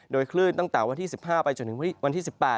โดยคลื่นตั้งแต่วันที่๑๕ไปจนถึงวันที่๑๘